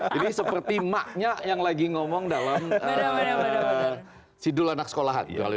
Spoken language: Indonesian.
seperti maknya yang lagi ngomong dalam sidul anak sekolahan